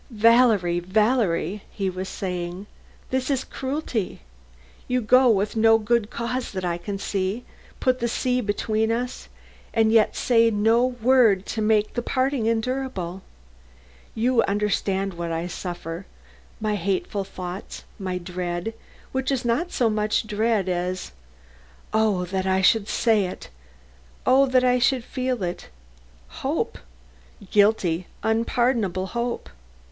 "Valerie, Valerie," he was saying, "this is cruelty. You go with no good cause that I can see put the sea between us, and yet say no word to make the parting endurable. You understand what I suffer my hateful thoughts, my dread, which is not so much dread as Oh, that I should say it! Oh, that I should feel it! hope; guilty, unpardonable hope.